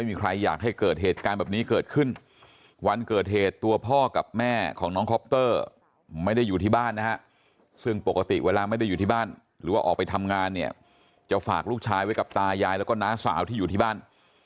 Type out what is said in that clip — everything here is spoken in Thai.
ไม่ได้อยู่ที่บ้านนะฮะซึ่งปกติเวลาไม่ได้อยู่ที่บ้านหรือว่าออกไปทำงานเนี่ยจะฝากลูกชายไว้กับตายายแล้วก็น้าสาวที่อยู่ที่บ้าน